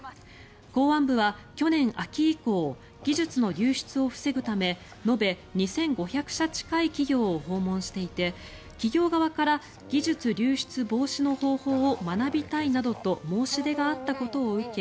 公安部は去年秋以降技術の流出を防ぐため延べ２５００社近い企業を訪問していて企業側から技術流出防止の方法を学びたいなどと申し出があったことを受け